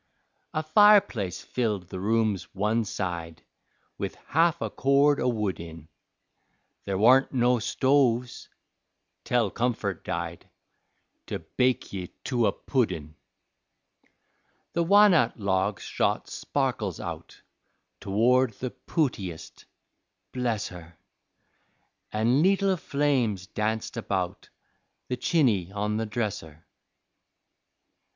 A fireplace filled the room's one side With half a cord o' wood in There warn't no stoves (tell comfort died) To bake ye to a puddin'. The wa'nut logs shot sparkles out Toward the pootiest, bless her, An' leetle flames danced about The chiny on the dresser.